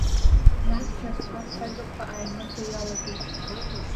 Нас нырцә-аарцә ажәақәа ааимырдо иалагеит.